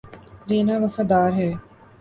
رینا وفادار ہے